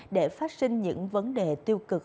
để phát sinh những vấn đề tiêu cực